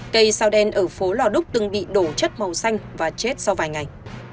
cây sao đen ở phố lò đúc từng bị đổ chất màu xanh và chết sau vài ngày